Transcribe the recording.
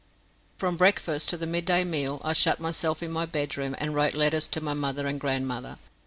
From breakfast to the midday meal I shut myself in my bedroom and wrote letters to my mother and grandmother.